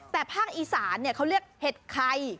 แต่ภาคอีสานเขาเรียกเห็ดไข่